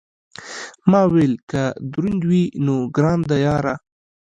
ما ویل که دروند وي، نو ګرانه ده یارانه.